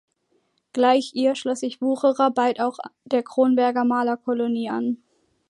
Gleich ihr schloss sich Wucherer bald auch der Kronberger Malerkolonie an.